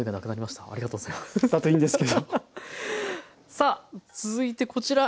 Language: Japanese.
さあ続いてこちら。